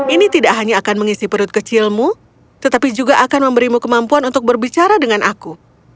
ini tidak hanya akan mengisi perut kecilmu tetapi juga akan memberimu kemampuan untuk berbicara dengan aku